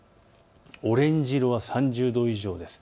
オレンジ色は３０度以上です。